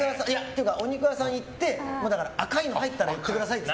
お肉屋さん行って赤いの入ったら言ってくださいって。